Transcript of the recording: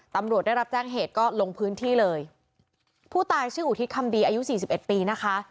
ตำรวจได้รับแจ้งเหตุก็ลงพื้นที่เลยผู้ตายชื่ออุทิศคำดีอายุสี่สิบเอ็ดปีนะคะ